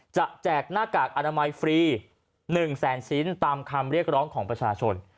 แจกหน้ากากอนามัยฟรี๑แสนชิ้นตามคำเรียกร้องของประชาชน